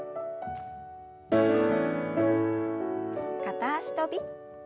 片脚跳び。